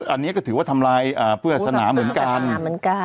อันนี้ก็ถือว่าทำลายอ่าเพื่อสนามเหมือนกันเพื่อสนามเหมือนกัน